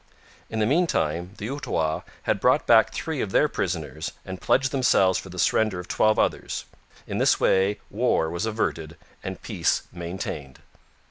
In the meantime the Outaouais had brought back three of their prisoners and pledged themselves for the surrender of twelve others. in this way war was averted and peace maintained.